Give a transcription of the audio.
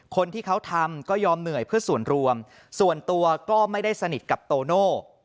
คนที่เขาทำก็ยอมเหนื่อยเพื่อส่วนรวมส่วนตัวก็ไม่ได้สนิทกับโตโน่